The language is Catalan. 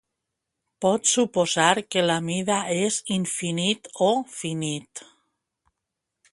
Pot suposar que la mida és infinit o finit.